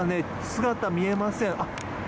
姿、見えません。